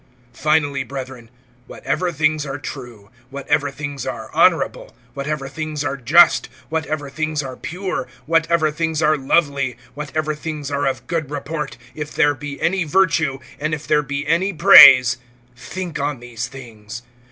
(8)Finally, brethren, whatever things are true, whatever things are honorable, whatever things are just, whatever things are pure, whatever things are lovely, whatever things are of good report, if there be any virtue, and if there be any praise, think on these things.